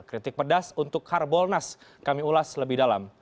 kritik pedas untuk harbolnas kami ulas lebih dalam